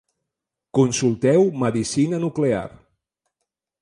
Consulteu medicina nuclear.